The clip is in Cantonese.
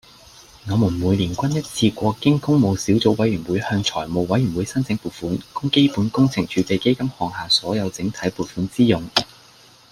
我們每年均一次過經工務小組委員會向財務委員會申請撥款，供基本工程儲備基金項下所有整體撥款支用